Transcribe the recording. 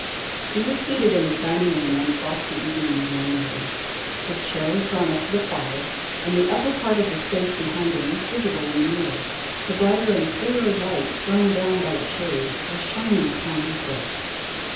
He was seated in his dining room one frosty evening in January. His chair was drawn up to the fire, and the upper part of the space behind him was visible in the mirror. The brighter and clearer light thrown down by the shade was shining upon his book.